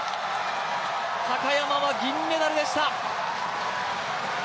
高山は銀メダルでした。